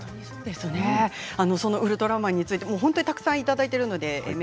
そのウルトラマンについて本当にたくさんいただいています。